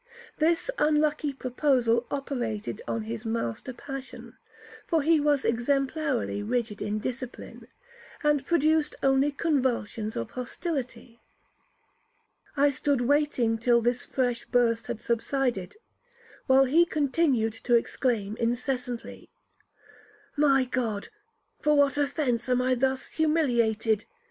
This unlucky proposal operated on his master passion, (for he was exemplarily rigid in discipline), and produced only convulsions of hostility. I stood waiting till this fresh burst had subsided, while he continued to exclaim incessantly, 'My God, for what offence am I thus humiliated?